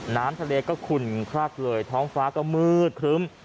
น้ำทะเลก็ขุนครักเลยท้องฟ้าก็มืดครึ้ม